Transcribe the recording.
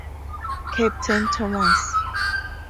Captain Thomas?